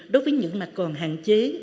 đối với những mà còn hạn chế